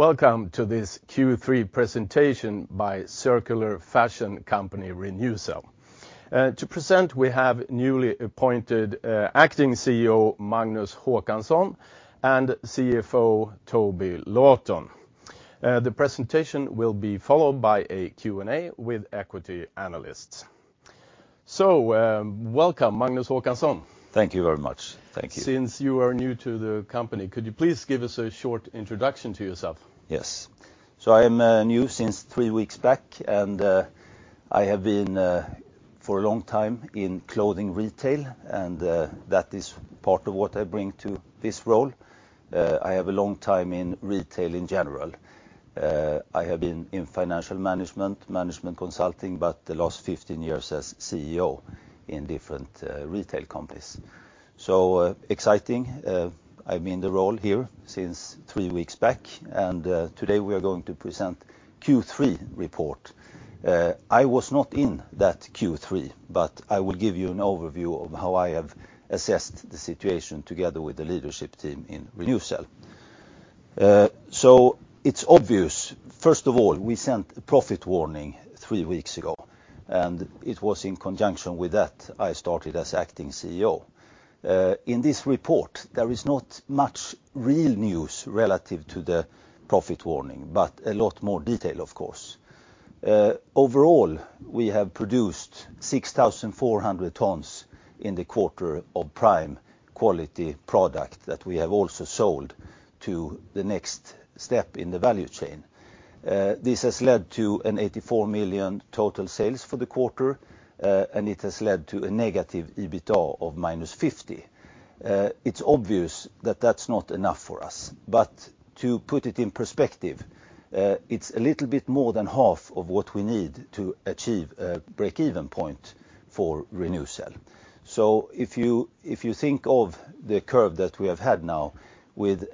Welcome to this Q3 presentation by circular fashion company, Re:NewCell. To present, we have newly appointed Acting CEO, Magnus Håkansson, and CFO, Toby Lawton. The presentation will be followed by a Q&A with equity analysts. Welcome, Magnus Håkansson. Thank you very much. Thank you. Since you are new to the company, could you please give us a short introduction to yourself? Yes. I am new since three weeks back, and I have been for a long time in clothing retail, and that is part of what I bring to this role. I have a long time in retail in general. I have been in financial management consulting, but the last 15 years as CEO in different retail companies. Exciting. I'm in the role here since three weeks back, and today we are going to present Q3 report. I was not in that Q3, but I will give you an overview of how I have assessed the situation together with the leadership team in Re:NewCell. It's obvious, first of all, we sent a profit warning three weeks ago, and it was in conjunction with that I started as Acting CEO. In this report, there is not much real news relative to the profit warning, but a lot more detail, of course. Overall, we have produced 6,400 tons in the quarter of prime quality product that we have also sold to the next step in the value chain. This has led to 84 million total sales for the quarter, and it has led to a negative EBITDA of -50. It's obvious that that's not enough for us. To put it in perspective, it's a little bit more than half of what we need to achieve a break-even point for Re:NewCell. If you think of the curve that we have had now with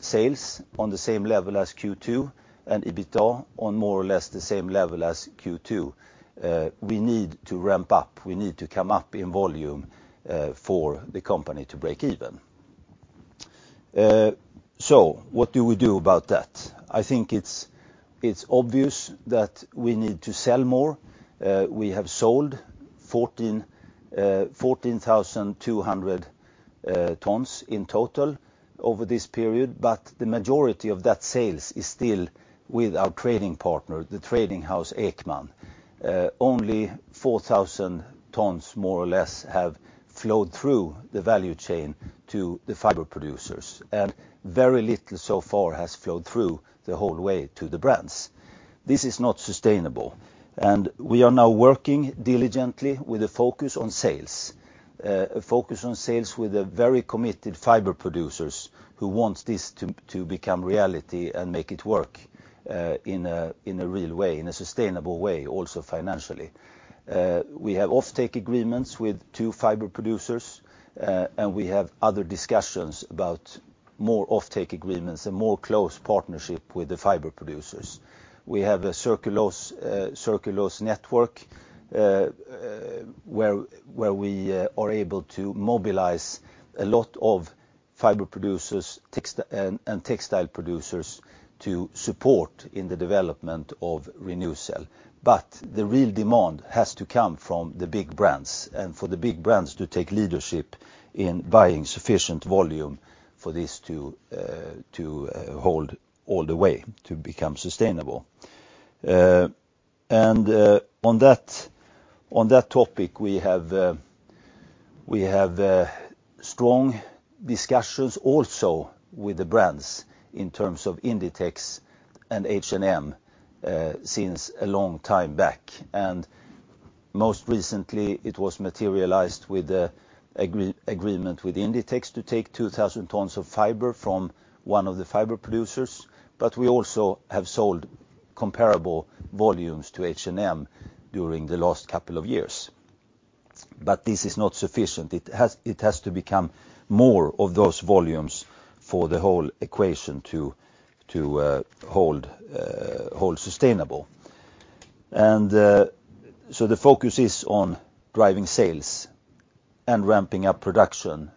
sales on the same level as Q2 and EBITDA on more or less the same level as Q2, we need to ramp up. We need to come up in volume for the company to break even. What do we do about that? I think it's obvious that we need to sell more. We have sold 14,200 tons in total over this period, but the majority of that sales is still with our trading partner, the trading house, Ekman. Only 4,000 tons, more or less, have flowed through the value chain to the fiber producers, and very little so far has flowed through the whole way to the brands. This is not sustainable. We are now working diligently with a focus on sales. A focus on sales with very committed fiber producers who want this to become reality and make it work in a real way, in a sustainable way, also financially. We have offtake agreements with two fiber producers, and we have other discussions about more offtake agreements and closer partnerships with the fiber producers. We have a Circulose network where we are able to mobilize a lot of fiber producers and textile producers to support in the development of Re:NewCell. The real demand has to come from the big brands and for the big brands to take leadership in buying sufficient volume for this to hold all the way to become sustainable. On that topic, we have strong discussions also with the brands in terms of Inditex and H&M since a long time back. Most recently, it was materialized with the agreement with Inditex to take 2,000 tons of fiber from one of the fiber producers. We also have sold comparable volumes to H&M during the last couple of years. This is not sufficient. It has to become more of those volumes for the whole equation to hold sustainable. The focus is on driving sales and ramping up production.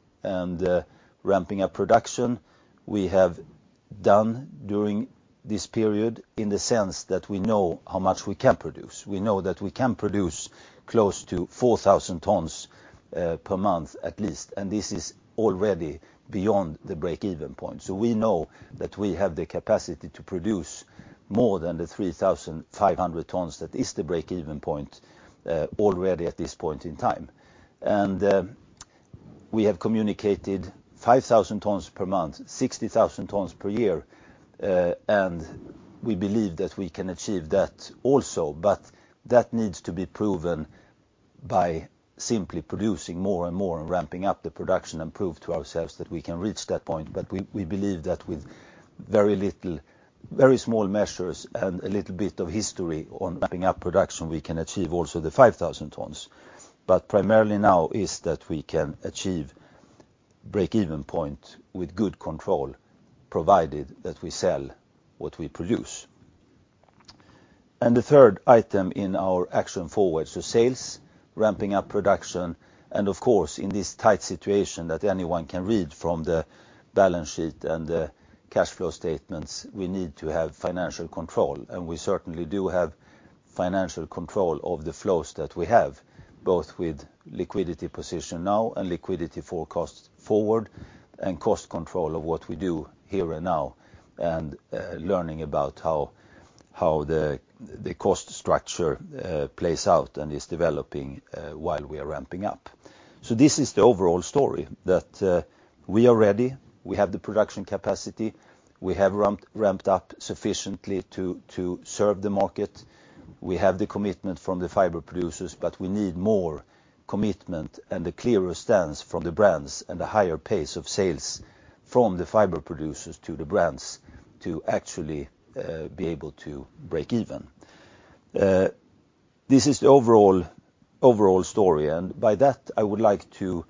Ramping up production we have done during this period in the sense that we know how much we can produce. We know that we can produce close to 4,000 tons per month at least, and this is already beyond the break-even point. We know that we have the capacity to produce more than the 3,500 tons that is the break-even point already at this point in time. We have communicated 5,000 tons per month, 60,000 tons per year. We believe that we can achieve that also, but that needs to be proven by simply producing more and more and ramping up the production and prove to ourselves that we can reach that point. We believe that with very small measures and a little bit of history on ramping up production, we can achieve also the 5,000 tons. Primarily now is that we can achieve break-even point with good control, provided that we sell what we produce. The third item in our action forward, so sales, ramping up production, and of course, in this tight situation that anyone can read from the balance sheet and the cash flow statements, we need to have financial control. We certainly do have financial control of the flows that we have, both with liquidity position now and liquidity forecast forward, and cost control of what we do here and now. Learning about how the cost structure plays out and is developing while we are ramping up. This is the overall story, that we are ready. We have the production capacity. We have ramped up sufficiently to serve the market. We have the commitment from the fiber producers, but we need more commitment and a clearer stance from the brands and a higher pace of sales from the fiber producers to the brands to actually be able to break even. This is the overall story, and by that, I would like to,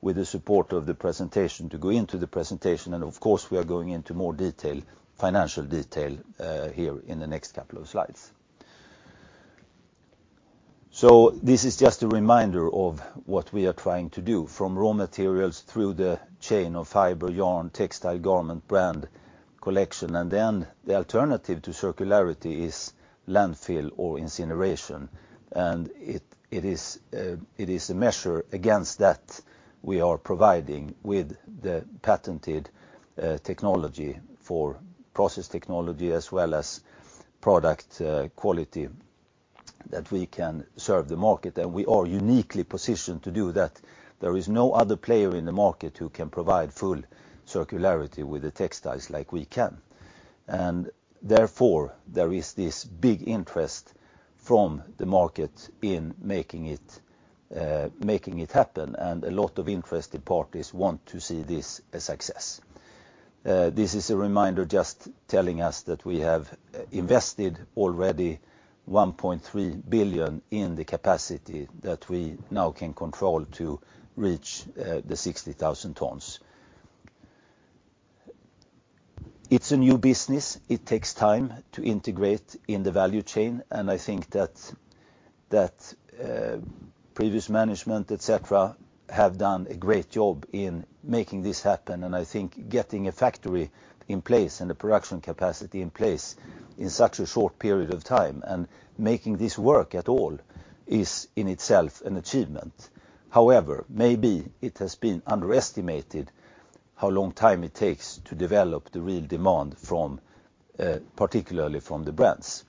with the support of the presentation, to go into the presentation, and of course, we are going into more detail, financial detail, here in the next couple of slides. This is just a reminder of what we are trying to do, from raw materials through the chain of fiber, yarn, textile, garment, brand, collection. Then the alternative to circularity is landfill or incineration. It is a measure against that we are providing with the patented technology for process technology as well as product quality that we can serve the market, and we are uniquely positioned to do that. There is no other player in the market who can provide full circularity with the textiles like we can. Therefore, there is this big interest from the market in making it happen, and a lot of interested parties want to see this a success. This is a reminder just telling us that we have invested already 1.3 billion in the capacity that we now can control to reach the 60,000 tons. It is a new business. It takes time to integrate in the value chain, and I think that previous management, et cetera, have done a great job in making this happen. I think getting a factory in place and a production capacity in place in such a short period of time and making this work at all is, in itself, an achievement. However, maybe it has been underestimated how long time it takes to develop the real demand, particularly from the brands.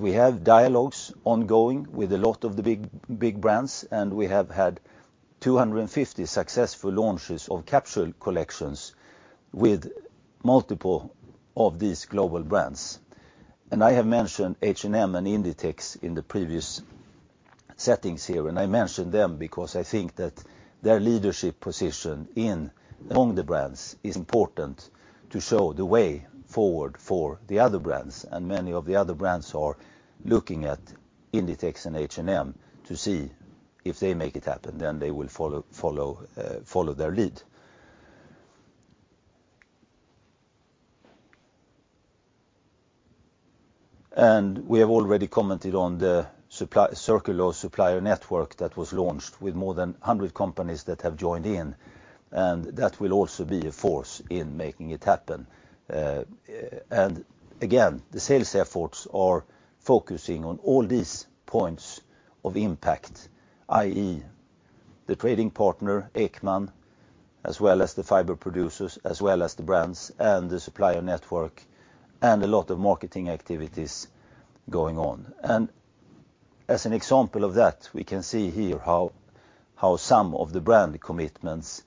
We have dialogues ongoing with a lot of the big brands, and we have had 250 successful launches of capsule collections with multiple of these global brands. I have mentioned H&M and Inditex in the previous settings here, and I mention them because I think that their leadership position among the brands is important to show the way forward for the other brands. Many of the other brands are looking at Inditex and H&M to see if they make it happen, then they will follow their lead. We have already commented on the Circulose Supplier Network that was launched with more than 100 companies that have joined in. That will also be a force in making it happen. Again, the sales efforts are focusing on all these points of impact, i.e., the trading partner, Ekman, as well as the fiber producers, as well as the brands and the supplier network. A lot of marketing activities going on. As an example of that, we can see here how some of the brand commitments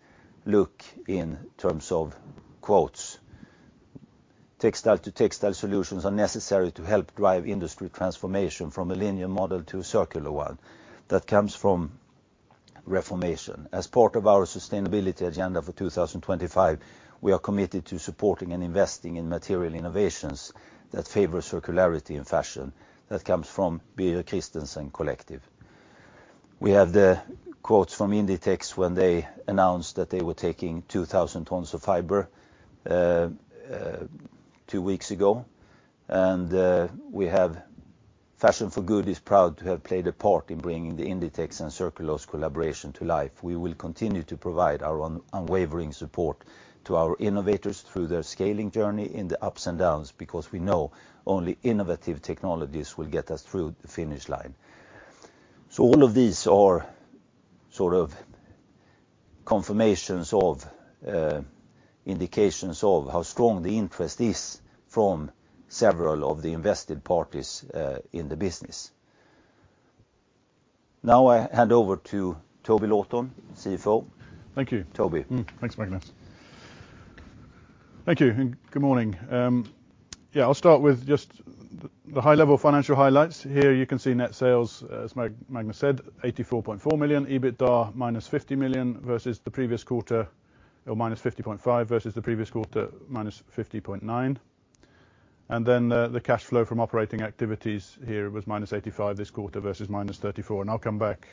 look in terms of quotes. "Textile-to-textile solutions are necessary to help drive industry transformation from a linear model to a circular one." That comes from Reformation. "As part of our sustainability agenda for 2025, we are committed to supporting and investing in material innovations that favor circularity in fashion." That comes from Birger Christensen Collective. We have the quotes from Inditex when they announced that they were taking 2,000 tons of fiber two weeks ago. We have, "Fashion for Good is proud to have played a part in bringing the Inditex and Circulose collaboration to life. We will continue to provide our unwavering support to our innovators through their scaling journey in the ups and downs, because we know only innovative technologies will get us through the finish line." All of these are sort of confirmations of, indications of how strong the interest is from several of the invested parties in the business. Now I hand over to Toby Lawton, CFO. Thank you. Toby. Thanks, Magnus. Thank you, and good morning. I'll start with just the high-level financial highlights. Here you can see net sales, as Magnus said, 84.4 million, EBITDA, minus 50 million versus the previous quarter, or minus 50.5 versus the previous quarter, minus 50.9. The cash flow from operating activities here was minus 85 this quarter versus minus 34. I'll come back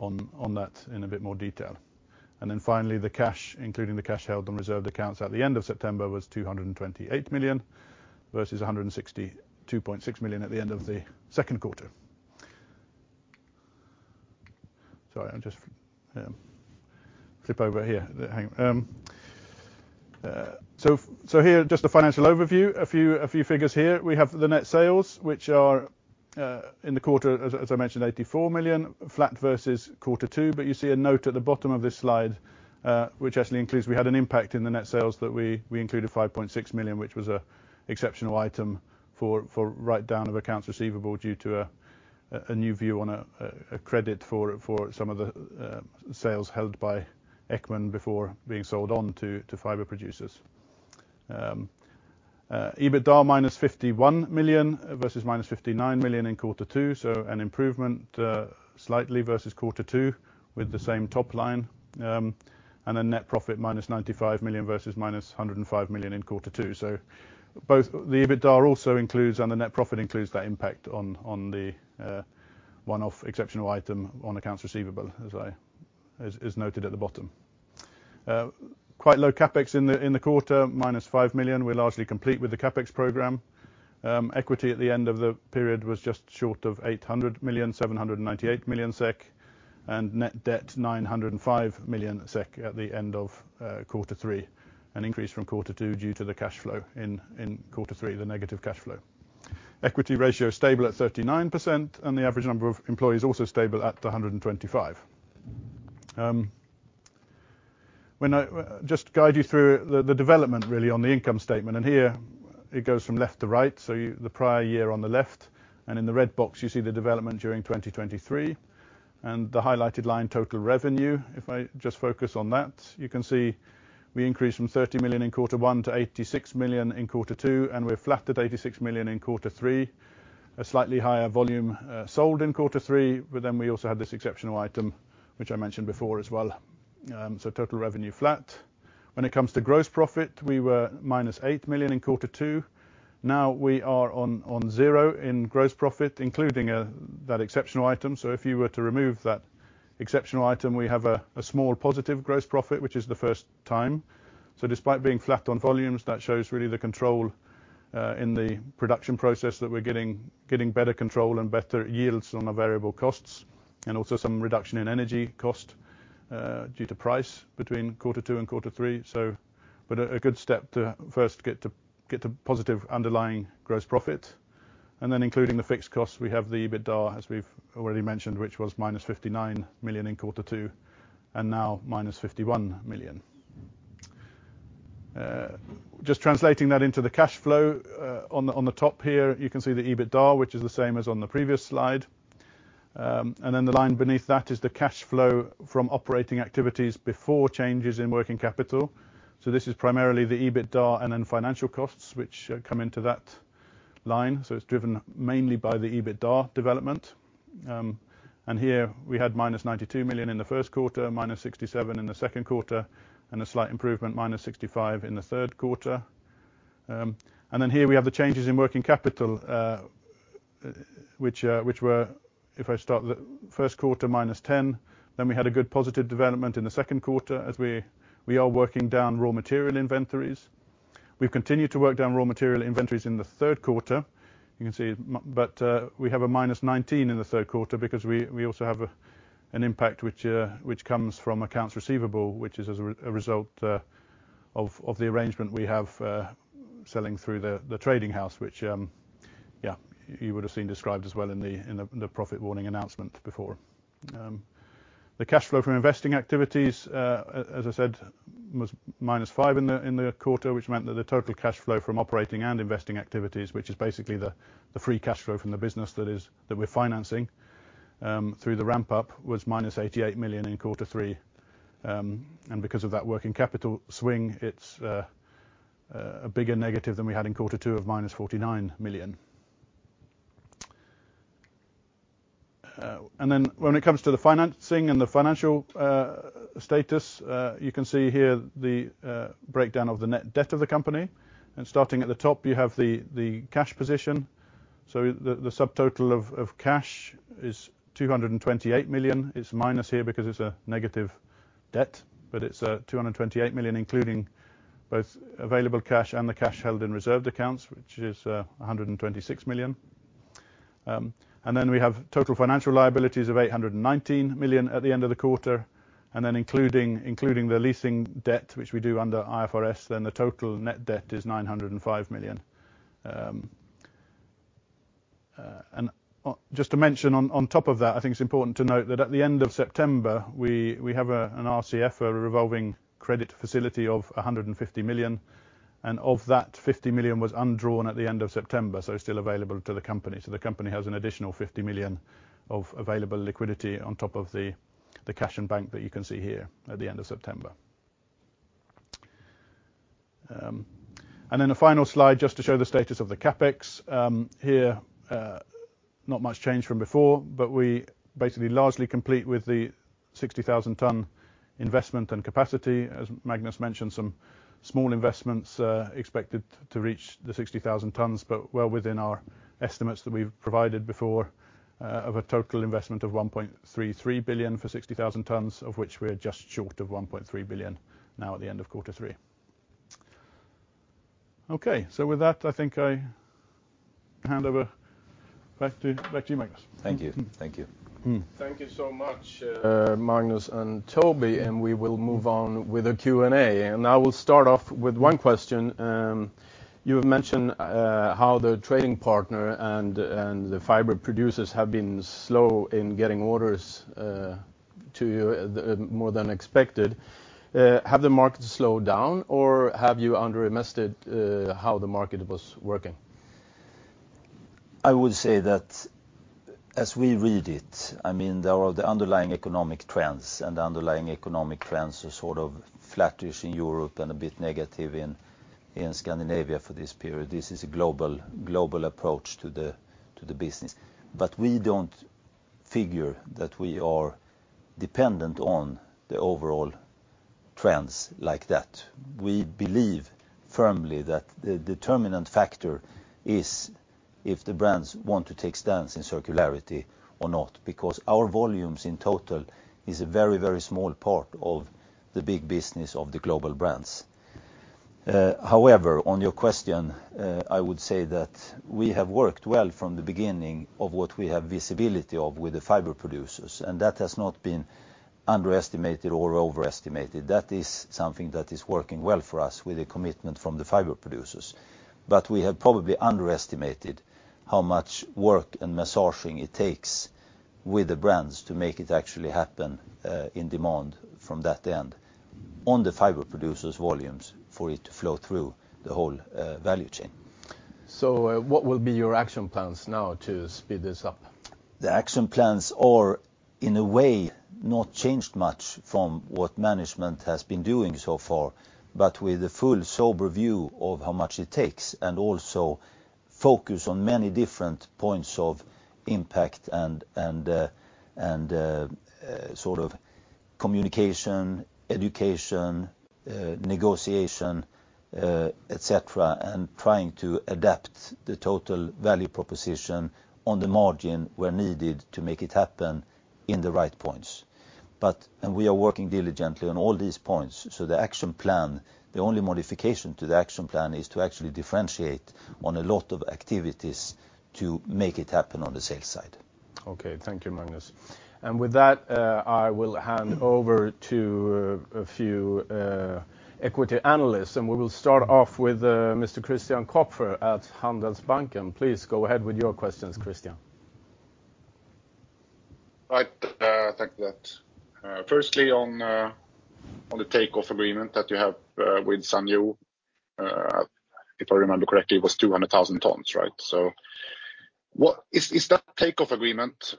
on that in a bit more detail. Finally, the cash, including the cash held on reserved accounts at the end of September, was 228 million versus 162.6 million at the end of the second quarter. Sorry, I'm just flip over here. Hang on. Here, just a financial overview. A few figures here. We have the net sales, which are, in the quarter, as I mentioned, 84 million flat versus quarter 2. You see a note at the bottom of this slide, which actually includes, we had an impact in the net sales that we include a 5.6 million, which was an exceptional item for write-down of accounts receivable due to a new view on a credit for some of the sales held by Ekman before being sold on to fiber producers. EBITDA minus 51 million versus minus 59 million in quarter 2. An improvement, slightly versus quarter 2 with the same top line. A net profit minus 95 million versus minus 105 million in quarter 2. Both the EBITDA also includes, and the net profit includes that impact on the one-off exceptional item on accounts receivable as is noted at the bottom. Quite low CapEx in the quarter, minus 5 million. We're largely complete with the CapEx program. Equity at the end of the period was just short of 800 million, 798 million SEK, and net debt 905 million SEK at the end of quarter 3, an increase from quarter 2 due to the cash flow in quarter 3, the negative cash flow. Equity ratio stable at 39%. The average number of employees also stable at 125. Just guide you through the development really on the income statement. Here it goes from left to right. The prior year on the left and in the red box you see the development during 2023. The highlighted line, total revenue. If I just focus on that, you can see we increased from 30 million in quarter 1 to 86 million in quarter 2, and we're flat at 86 million in quarter 3. A slightly higher volume sold in quarter 3. We also had this exceptional item which I mentioned before as well. Total revenue flat. When it comes to gross profit, we were minus 8 million in quarter 2. Now we are on zero in gross profit, including that exceptional item. If you were to remove that exceptional item, we have a small positive gross profit, which is the first time. Despite being flat on volumes, that shows really the control in the production process that we're getting better control and better yields on our variable costs. Also some reduction in energy cost due to price between quarter 2 and quarter 3. A good step to first get to positive underlying gross profit. Then including the fixed costs, we have the EBITDA, as we've already mentioned, which was minus 59 million in quarter 2 and now minus 51 million. Translating that into the cash flow. On the top here you can see the EBITDA, which is the same as on the previous slide. Then the line beneath that is the cash flow from operating activities before changes in working capital. This is primarily the EBITDA and then financial costs which come into that line. It's driven mainly by the EBITDA development. Here we had minus 92 million in the first quarter, minus 67 in the second quarter, and a slight improvement, minus 65 in the third quarter. Here we have the changes in working capital, which were, if I start the first quarter, minus 10. We had a good positive development in the second quarter as we are working down raw material inventories. We've continued to work down raw material inventories in the third quarter, you can see. We have a minus 19 in the third quarter because we also have an impact which comes from accounts receivable, which is as a result of the arrangement we have selling through the trading house which, yeah, you would have seen described as well in the profit warning announcement before. The cash flow from investing activities, as I said, was minus 5 in the quarter, which meant that the total cash flow from operating and investing activities, which is basically the free cash flow from the business that we're financing through the ramp-up, was minus 88 million in quarter three. Because of that working capital swing, it's a bigger negative than we had in quarter two of minus 49 million. When it comes to the financing and the financial status, you can see here the breakdown of the net debt of the company. Starting at the top, you have the cash position. The subtotal of cash is 228 million. It's minus here because it's a negative debt, but it's 228 million, including both available cash and the cash held in reserved accounts, which is 126 million. We have total financial liabilities of 819 million at the end of the quarter. Including the leasing debt, which we do under IFRS, the total net debt is 905 million. Just to mention on top of that, I think it's important to note that at the end of September, we have an RCF, a revolving credit facility of 150 million. Of that, 50 million was undrawn at the end of September, so still available to the company. The company has an additional 50 million of available liquidity on top of the cash in bank that you can see here at the end of September. The final slide just to show the status of the CapEx. Here, not much change from before, but we basically largely complete with the 60,000 tons investment and capacity. As Magnus mentioned, some small investments are expected to reach the 60,000 tons, but well within our estimates that we've provided before of a total investment of 1.33 billion for 60,000 tons, of which we are just short of 1.3 billion now at the end of quarter three. With that, I think I hand over back to you, Magnus. Thank you. Thank you so much, Magnus and Toby. We will move on with the Q&A. I will start off with one question. You have mentioned how the trading partner and the fiber producers have been slow in getting orders to you more than expected. Have the markets slowed down, or have you underestimated how the market was working? I would say that as we read it, there are the underlying economic trends, and the underlying economic trends are sort of flattish in Europe and a bit negative in Scandinavia for this period. This is a global approach to the business. We don't figure that we are dependent on the overall trends like that. We believe firmly that the determinant factor is if the brands want to take a stance in circularity or not, because our volumes in total is a very small part of the big business of the global brands. However, on your question, I would say that we have worked well from the beginning of what we have visibility of with the fiber producers, and that has not been underestimated or overestimated. That is something that is working well for us with a commitment from the fiber producers. We have probably underestimated how much work and massaging it takes with the brands to make it actually happen in demand from that end on the fiber producers' volumes for it to flow through the whole value chain. What will be your action plans now to speed this up? The action plans are, in a way, not changed much from what management has been doing so far, but with the full sober view of how much it takes, and also focus on many different points of impact and communication, education, negotiation, et cetera, and trying to adapt the total value proposition on the margin where needed to make it happen in the right points. We are working diligently on all these points. The action plan, the only modification to the action plan is to actually differentiate on a lot of activities to make it happen on the sales side. Okay. Thank you, Magnus. With that, I will hand over to a few equity analysts, and we will start off with Mr. Christian Kopfer at Handelsbanken. Please go ahead with your questions, Christian. Right. Thank you for that. Firstly, on the takeoff agreement that you have with Sanyou, if I remember correctly, it was 200,000 tons, right? Is that takeoff agreement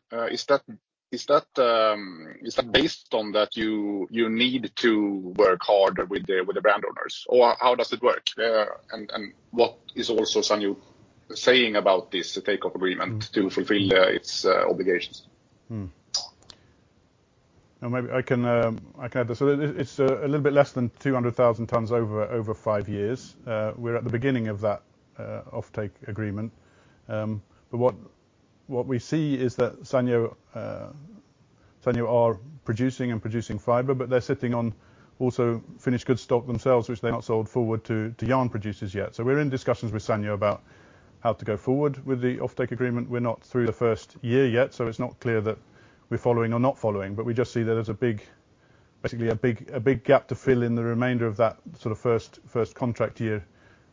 based on that you need to work harder with the brand owners, or how does it work? What is also Sanyou saying about this takeoff agreement to fulfill its obligations? Maybe I can add this. It's a little bit less than 200,000 tons over 5 years. We're at the beginning of that offtake agreement. What we see is that Sanyou are producing and producing fiber, but they're sitting on also finished good stock themselves, which they've not sold forward to yarn producers yet. We're in discussions with Sanyou about how to go forward with the offtake agreement. We're not through the first year yet, so it's not clear that we're following or not following, but we just see that there's basically a big gap to fill in the remainder of that first contract year,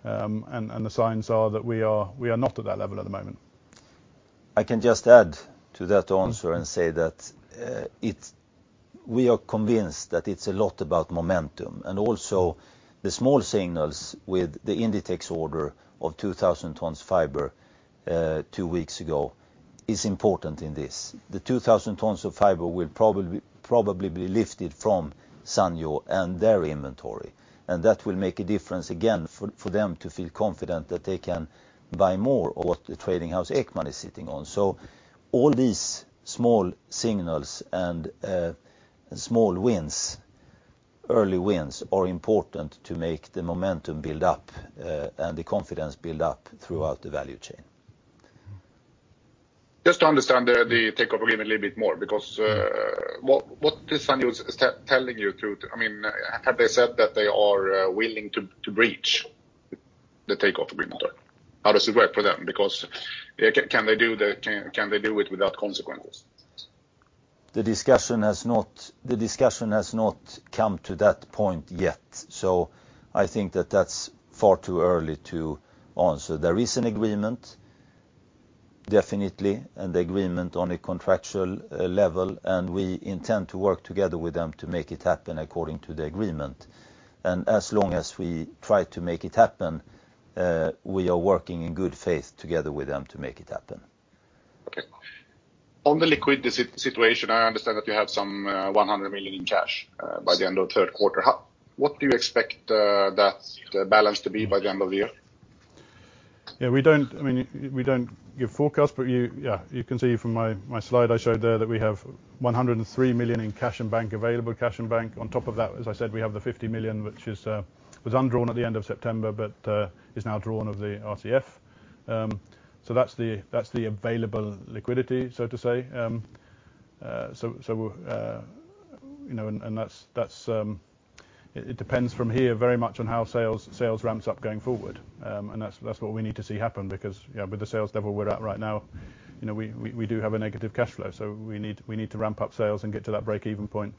the signs are that we are not at that level at the moment. I can just add to that answer and say that we are convinced that it's a lot about momentum. Also the small signals with the Inditex order of 2,000 tons fiber 2 weeks ago is important in this. The 2,000 tons of fiber will probably be lifted from Sanyou and their inventory, that will make a difference again for them to feel confident that they can buy more of what the trading house Ekman is sitting on. All these small signals and small wins, early wins, are important to make the momentum build up, the confidence build up throughout the value chain. Just to understand the offtake agreement a little bit more. What is Sanyou telling you? Have they said that they are willing to breach the offtake agreement? How does it work for them? Can they do it without consequences? The discussion has not come to that point yet. I think that that's far too early to answer. There is an agreement, definitely. The agreement on a contractual level, we intend to work together with them to make it happen according to the agreement. As long as we try to make it happen, we are working in good faith together with them to make it happen. Okay. On the liquidity situation, I understand that you have some 100 million in cash by the end of third quarter. What do you expect that balance to be by the end of the year? Yeah, we don't give forecasts, you can see from my slide I showed there that we have 103 million in cash and bank available, cash and bank. On top of that, as I said, we have the 50 million, which was undrawn at the end of September, but is now drawn of the RCF. That's the available liquidity, so to say. It depends from here very much on how sales ramps up going forward. That's what we need to see happen because, with the sales level we're at right now, we do have a negative cash flow, we need to ramp up sales and get to that break-even point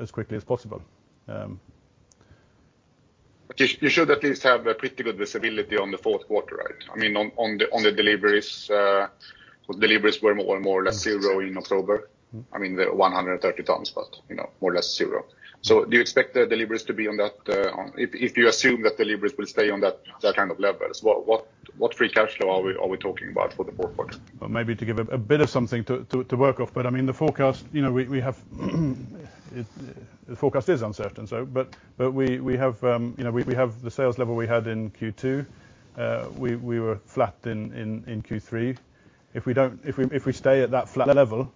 as quickly as possible. You should at least have a pretty good visibility on the fourth quarter, right? On the deliveries, because deliveries were more or less zero in October. The 130 tons, more or less zero. Do you expect the deliveries to be on that? If you assume that deliveries will stay on that kind of level, what free cash flow are we talking about for the fourth quarter? Maybe to give a bit of something to work off, the forecast is uncertain. We have the sales level we had in Q2. We were flat in Q3. If we stay at that flat level,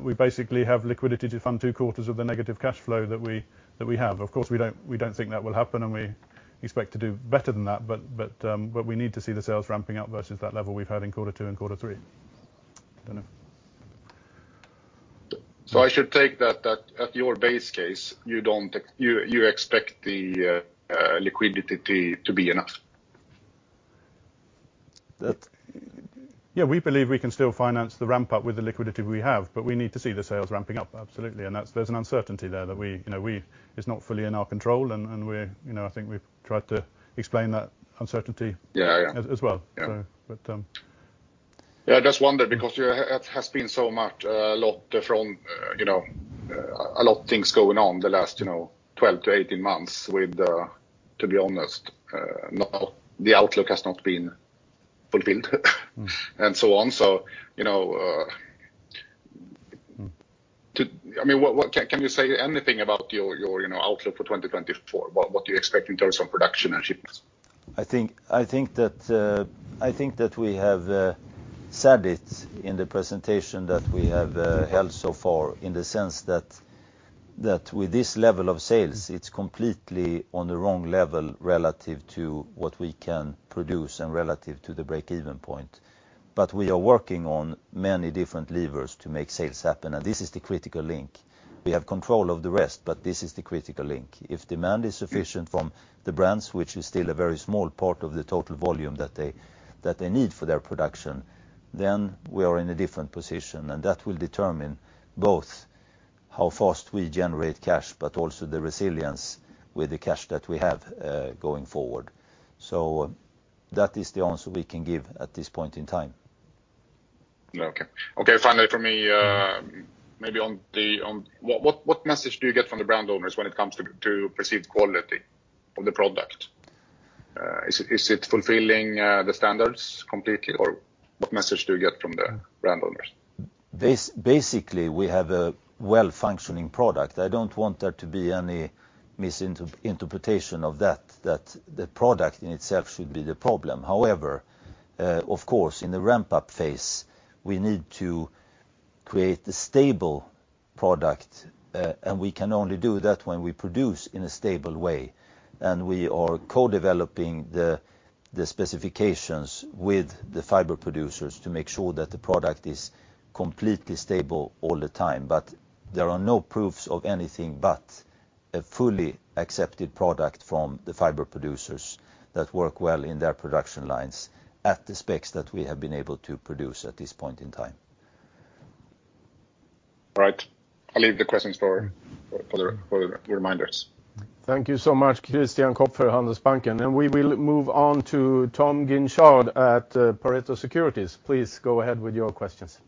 we basically have liquidity to fund two quarters of the negative cash flow that we have. Of course, we don't think that will happen, we expect to do better than that. We need to see the sales ramping up versus that level we've had in quarter two and quarter three. Don't know. I should take that, at your base case, you expect the liquidity to be enough? We believe we can still finance the ramp-up with the liquidity we have, but we need to see the sales ramping up. Absolutely. There's an uncertainty there that it's not fully in our control, and I think we've tried to explain that uncertainty. Yeah As well. Yeah. But- I just wonder because it has been a lot of things going on the last 12-18 months with, to be honest, now the outlook has not been fulfilled and so on. Can you say anything about your outlook for 2024? What do you expect in terms of production and shipments? I think that we have said it in the presentation that we have held so far, in the sense that with this level of sales, it's completely on the wrong level relative to what we can produce and relative to the break-even point. We are working on many different levers to make sales happen, and this is the critical link. We have control of the rest, but this is the critical link. If demand is sufficient from the brands, which is still a very small part of the total volume that they need for their production, then we are in a different position, and that will determine both how fast we generate cash, but also the resilience with the cash that we have, going forward. That is the answer we can give at this point in time. Okay. Finally, from me, what message do you get from the brand owners when it comes to perceived quality of the product? Is it fulfilling the standards completely, or what message do you get from the brand owners? Basically, we have a well-functioning product. I don't want there to be any misinterpretation of that the product in itself should be the problem. However, of course, in the ramp-up phase, we need to create a stable product. We can only do that when we produce in a stable way. We are co-developing the specifications with the fiber producers to make sure that the product is completely stable all the time. There are no proofs of anything but a fully accepted product from the fiber producers that work well in their production lines at the specs that we have been able to produce at this point in time. All right. I'll leave the questions for your minders. Thank you so much, Christian Kopfer, Handelsbanken. We will move on to Tom Guinchard at Pareto Securities. Please go ahead with your questions.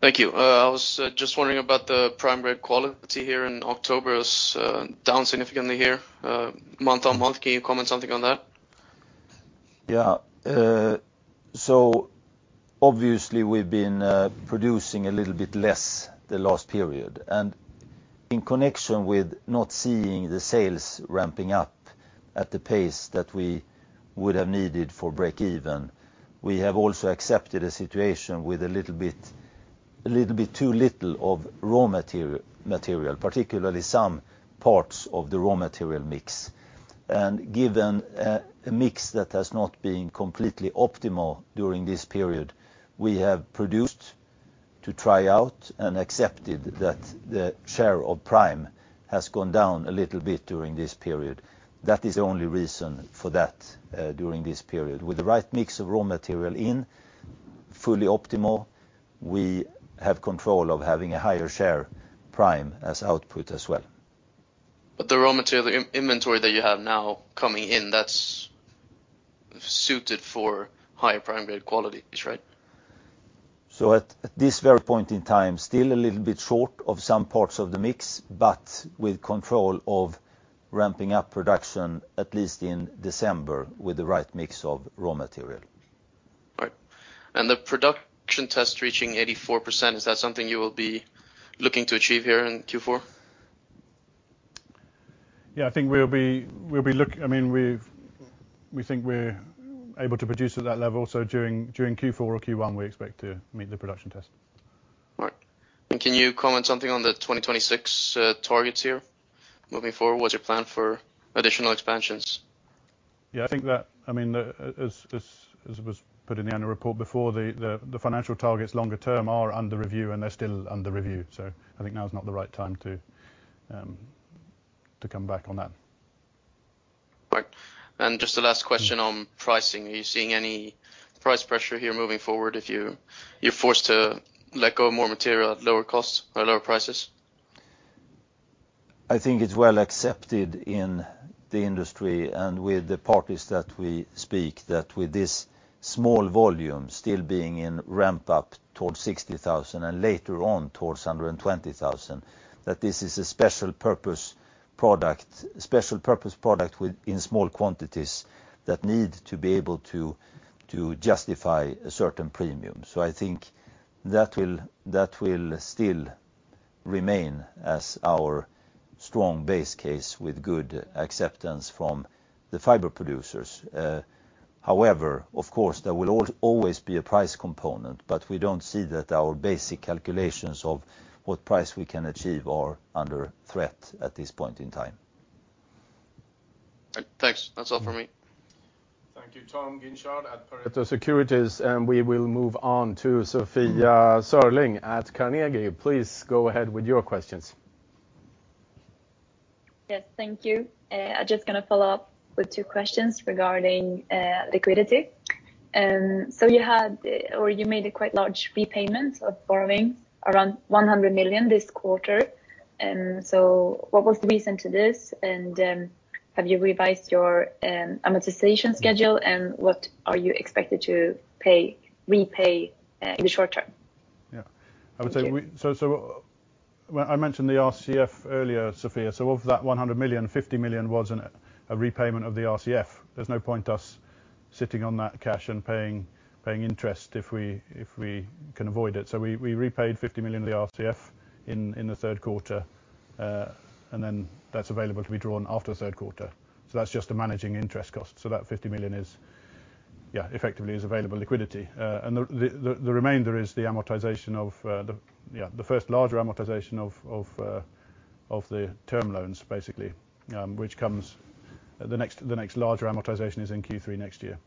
Thank you. I was just wondering about the prime grade quality here in October. It was down significantly here, month-on-month. Can you comment something on that? Yeah. Obviously, we've been producing a little bit less the last period. In connection with not seeing the sales ramping up at the pace that we would have needed for break even, we have also accepted a situation with a little bit too little of raw material, particularly some parts of the raw material mix. Given a mix that has not been completely optimal during this period, we have produced to try out and accepted that the share of prime has gone down a little bit during this period. That is the only reason for that during this period. With the right mix of raw material in, fully optimal, we have control of having a higher share prime as output as well. The raw material inventory that you have now coming in, that's suited for higher prime grade quality, right? At this very point in time, still a little bit short of some parts of the mix, but with control of ramping up production, at least in December, with the right mix of raw material. Right. The production test reaching 84%, is that something you will be looking to achieve here in Q4? Yeah, I think we're able to produce at that level. During Q4 or Q1, we expect to meet the production test. Right. Can you comment something on the 2026 targets here moving forward? What's your plan for additional expansions? As it was put in the annual report before, the financial targets longer term are under review, and they're still under review. I think now is not the right time to come back on that. Right. Just the last question on pricing, are you seeing any price pressure here moving forward if you're forced to let go of more material at lower costs or lower prices? I think it's well accepted in the industry and with the parties that we speak, that with this small volume still being in ramp-up towards 60,000, and later on towards 120,000, that this is a special-purpose product in small quantities that need to be able to justify a certain premium. I think that will still remain as our strong base case with good acceptance from the fiber producers. However, of course, there will always be a price component, but we don't see that our basic calculations of what price we can achieve are under threat at this point in time. Thanks. That's all from me. Thank you, Tom Guinchard at Pareto Securities. We will move on to Sofia Sörling at Carnegie. Please go ahead with your questions. Yes, thank you. I'm just going to follow up with two questions regarding liquidity. You made a quite large repayment of borrowing, around 100 million this quarter. What was the reason to this? Have you revised your amortization schedule? What are you expected to repay in the short term? Yeah. Thank you. I mentioned the RCF earlier, Sofia. Of that 100 million, 50 million was a repayment of the RCF. There's no point us sitting on that cash and paying interest if we can avoid it. We repaid 50 million of the RCF in the third quarter. That's available to be drawn after the third quarter. That's just a managing interest cost. That 50 million effectively is available liquidity. The remainder is the first larger amortization of the term loans, basically. The next larger amortization is in Q3 next year.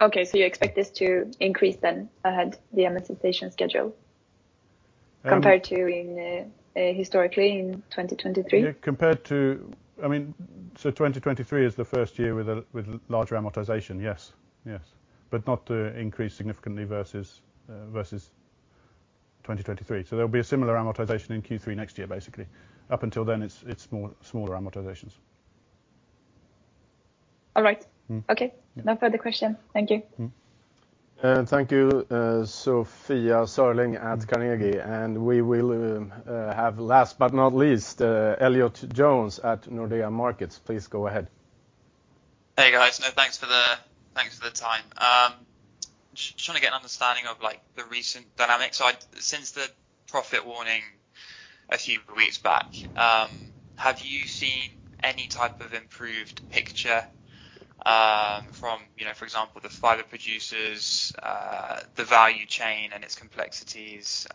Okay. You expect this to increase then ahead the amortization schedule compared to historically in 2023? 2023 is the first year with larger amortization, yes. Not to increase significantly versus 2023. There will be a similar amortization in Q3 next year, basically. Up until then, it is smaller amortizations. All right. Okay. No further question. Thank you. Thank you, Sofia Sörling at Carnegie. We will have last but not least, Elliott Jones at Nordea Markets. Please go ahead. Hey, guys. Thanks for the time. Just trying to get an understanding of the recent dynamics. Since the profit warning a few weeks back, have you seen any type of improved picture from, for example, the fiber producers, the value chain, and its complexities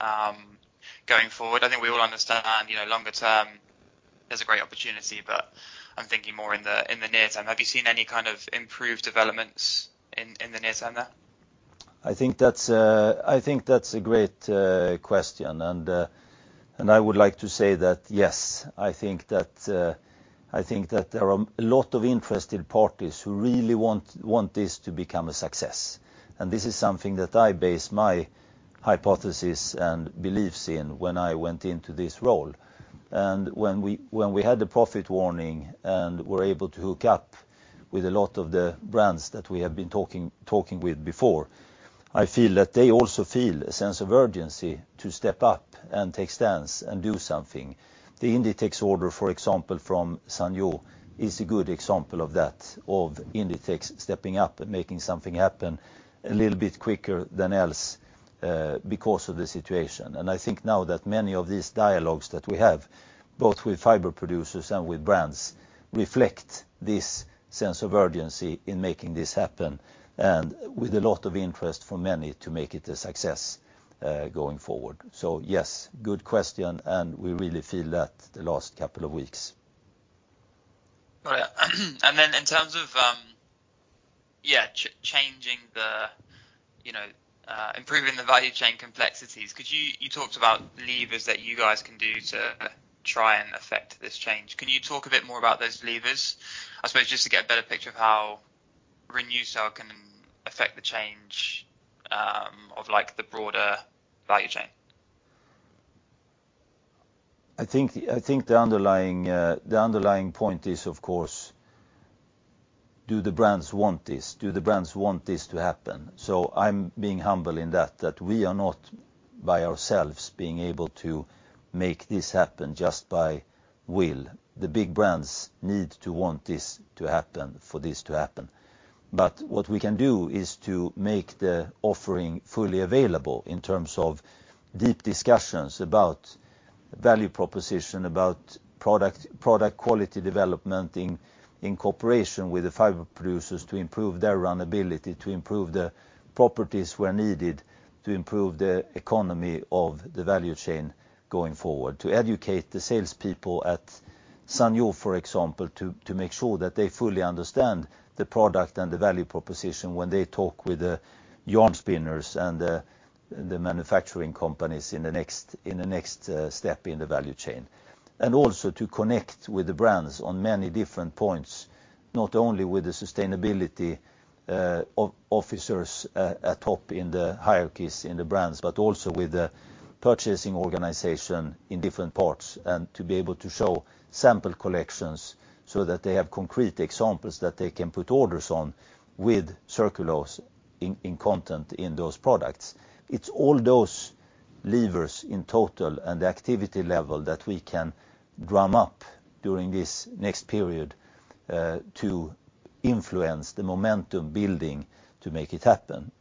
going forward? I think we all understand longer term there's a great opportunity, but I'm thinking more in the near term. Have you seen any kind of improved developments in the near term there? I think that's a great question. I would like to say that, yes, I think that there are a lot of interested parties who really want this to become a success. This is something that I based my hypothesis and beliefs in when I went into this role. When we had the profit warning and were able to hook up with a lot of the brands that we have been talking with before, I feel that they also feel a sense of urgency to step up and take stance and do something. The Inditex order, for example, from Sanyou, is a good example of that, of Inditex stepping up and making something happen a little bit quicker than else because of the situation. I think now that many of these dialogues that we have, both with fiber producers and with brands, reflect this sense of urgency in making this happen, and with a lot of interest from many to make it a success going forward. Yes, good question, and we really feel that the last couple of weeks. Got it. In terms of improving the value chain complexities, because you talked about levers that you guys can do to try and affect this change. Can you talk a bit more about those levers? I suppose just to get a better picture of how Re:NewCell can affect the change of the broader value chain. I think the underlying point is, of course, do the brands want this? Do the brands want this to happen? I'm being humble in that we are not by ourselves being able to make this happen just by will. The big brands need to want this to happen for this to happen. What we can do is to make the offering fully available in terms of deep discussions about value proposition, about product quality development in cooperation with the fiber producers to improve their runnability, to improve the properties where needed, to improve the economy of the value chain going forward. To educate the salespeople at Tangshan Sanyou, for example, to make sure that they fully understand the product and the value proposition when they talk with the yarn spinners and the manufacturing companies in the next step in the value chain. Also to connect with the brands on many different points, not only with the sustainability officers at top in the hierarchies in the brands, but also with the purchasing organization in different parts, and to be able to show sample collections so that they have concrete examples that they can put orders on with Circulose in content in those products. It's all those levers in total and the activity level that we can drum up during this next period to influence the momentum building to make it happen.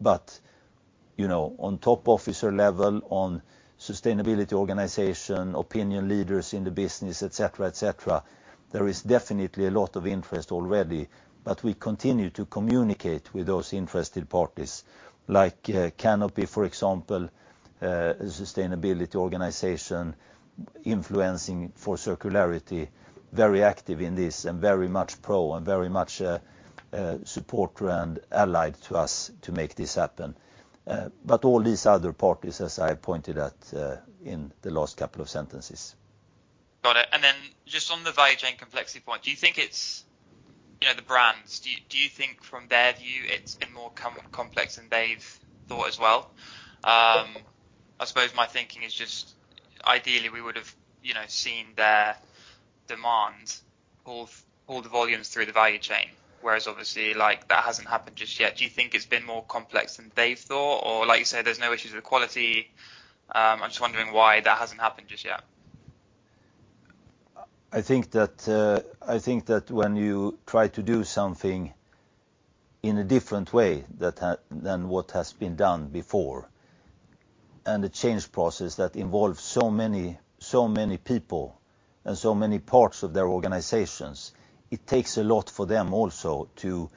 On top officer level, on sustainability organization, opinion leaders in the business, et cetera, there is definitely a lot of interest already, we continue to communicate with those interested parties like Canopy, for example, a sustainability organization influencing for circularity, very active in this and very much pro and very much a supporter and allied to us to make this happen. All these other parties, as I pointed at in the last couple of sentences. Got it. Just on the value chain complexity point, do you think the brands, do you think from their view it's been more complex than they've thought as well? I suppose my thinking is just ideally we would've seen their demand, all the volumes through the value chain, whereas obviously that hasn't happened just yet. Do you think it's been more complex than they thought? Or like you say, there's no issues with quality. I'm just wondering why that hasn't happened just yet. I think that when you try to do something in a different way than what has been done before, a change process that involves so many people and so many parts of their organizations, it takes a lot for them also to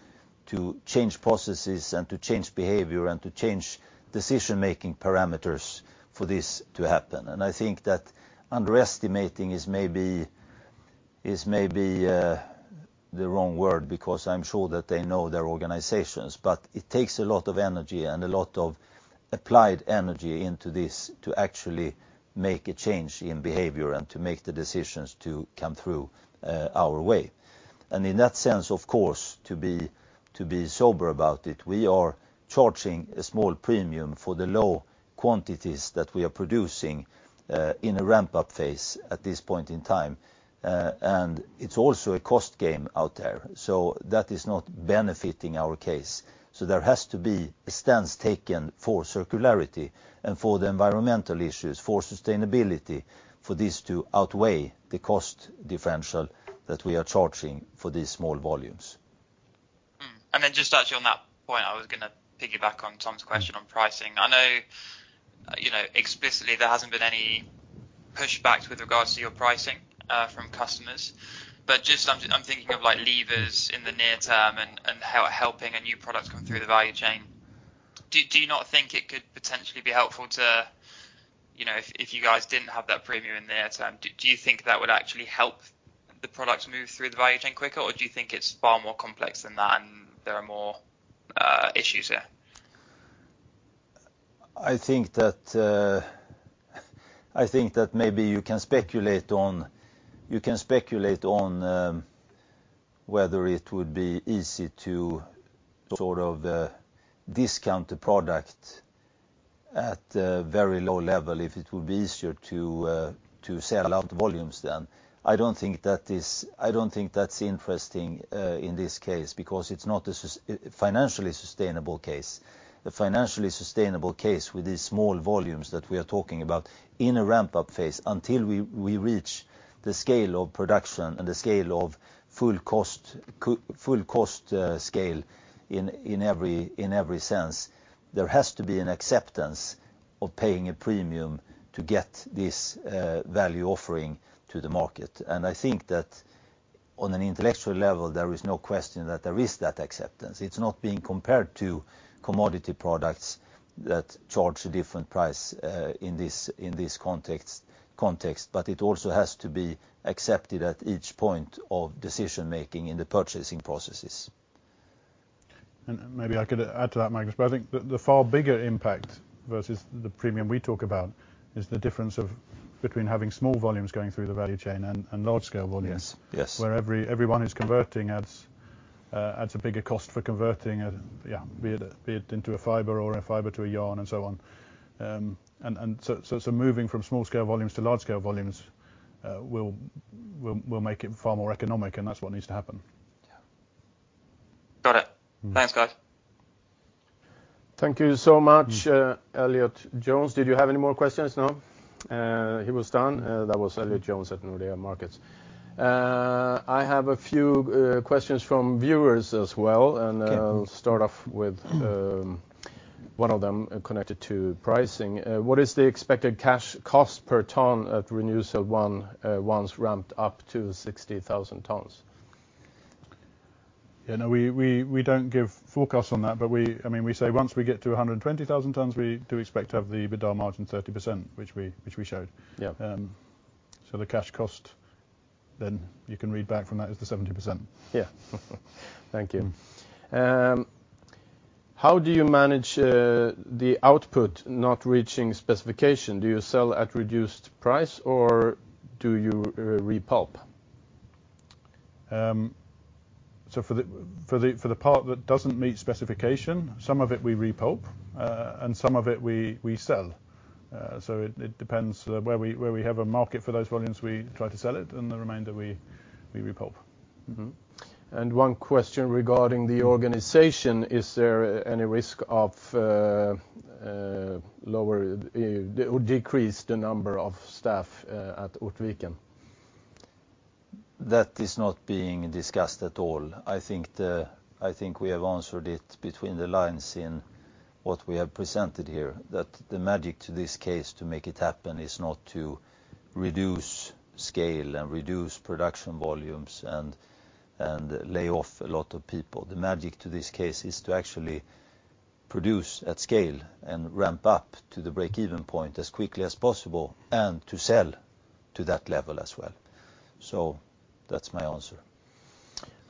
change processes and to change behavior and to change decision-making parameters for this to happen. I think that underestimating is maybe the wrong word, because I'm sure that they know their organizations, but it takes a lot of energy and a lot of applied energy into this to actually make a change in behavior and to make the decisions to come through our way. In that sense, of course, to be sober about it, we are charging a small premium for the low quantities that we are producing in a ramp-up phase at this point in time. It's also a cost game out there, That is not benefiting our case. There has to be a stance taken for circularity and for the environmental issues, for sustainability, for this to outweigh the cost differential that we are charging for these small volumes. Just actually on that point, I was going to piggyback on Tom's question on pricing. I know explicitly there hasn't been any pushback with regards to your pricing from customers, Just I'm thinking of levers in the near term and helping a new product come through the value chain. Do you not think it could potentially be helpful to, if you guys didn't have that premium in the near term, do you think that would actually help the product move through the value chain quicker? Do you think it's far more complex than that and there are more issues there? I think that maybe you can speculate on whether it would be easy to discount a product at a very low level if it would be easier to sell out volumes then. I don't think that's interesting in this case because it's not a financially sustainable case. A financially sustainable case with these small volumes that we are talking about in a ramp-up phase until we reach the scale of production and the scale of full cost scale in every sense, there has to be an acceptance of paying a premium to get this value offering to the market. I think that on an intellectual level, there is no question that there is that acceptance. It's not being compared to commodity products that charge a different price in this context, but it also has to be accepted at each point of decision-making in the purchasing processes. Maybe I could add to that, Magnus, I think the far bigger impact versus the premium we talk about is the difference between having small volumes going through the value chain and large-scale volumes. Yes. Where everyone who's converting adds a bigger cost for converting, be it into a fiber or a fiber to a yarn. Moving from small-scale volumes to large-scale volumes will make it far more economic, that's what needs to happen. Yeah. Got it. Thanks, guys. Thank you so much, Elliott Jones. Did you have any more questions? No? He was done. That was Elliott Jones at Nordea Markets. I have a few questions from viewers as well. Okay. I'll start off with one of them connected to pricing. What is the expected cash cost per ton at Re:NewCell once ramped up to 60,000 tons? We don't give forecasts on that. We say once we get to 120,000 tons, we do expect to have the EBITDA margin 30%, which we showed. Yep. The cash cost then you can read back from that is the 70%. Yeah. Thank you. How do you manage the output not reaching specification? Do you sell at reduced price, or do you repulp? For the part that doesn't meet specification, some of it we repulp, and some of it we sell. It depends where we have a market for those volumes, we try to sell it, and the remainder we repulp. Mm-hmm. One question regarding the organization, is there any risk of decrease the number of staff at Ortviken? That is not being discussed at all. I think we have answered it between the lines in what we have presented here, that the magic to this case to make it happen is not to reduce scale and reduce production volumes and lay off a lot of people. The magic to this case is to actually produce at scale and ramp up to the break-even point as quickly as possible and to sell to that level as well. That's my answer.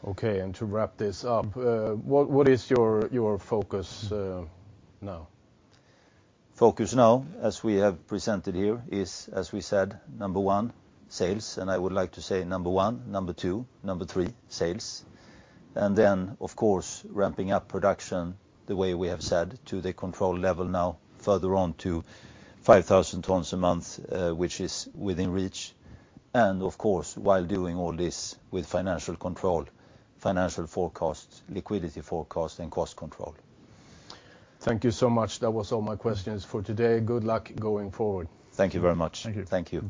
Okay, to wrap this up, what is your focus now? Focus now, as we have presented here, is, as we said, number one, sales. I would like to say number one, number two, number three, sales. Then, of course, ramping up production the way we have said to the control level now further on to 5,000 tons a month, which is within reach. Of course, while doing all this with financial control, financial forecasts, liquidity forecasts, and cost control. Thank you so much. That was all my questions for today. Good luck going forward. Thank you very much. Thank you. Thank you.